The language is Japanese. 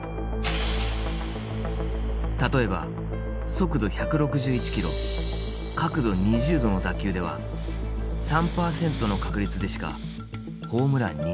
例えば速度１６１キロ角度２０度の打球では３％の確率でしかホームランにならない。